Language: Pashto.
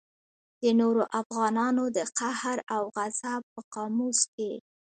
د نورو افغانانو د قهر او غضب په قاموس کې.